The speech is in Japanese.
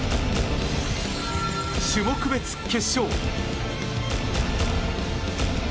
種目別決勝。